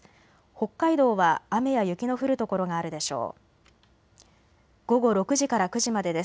北海道は雨や雪の降る所があるでしょう。